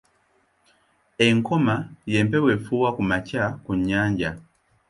Enkoma y'empewo efuuwa ku makya ku nnyanja.